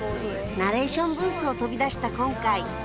ナレーションブースを飛び出した今回。